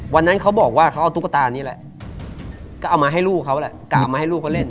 วันนั้นเขาบอกว่าเขาเอาตุ๊กตานี้แหละก็เอามาให้ลูกเขาแหละกะมาให้ลูกเขาเล่น